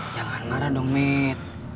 jangan marah dong med